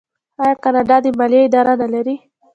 آیا کاناډا د مالیې اداره نلري؟